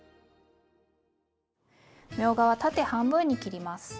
みょうがは縦半分に切ります。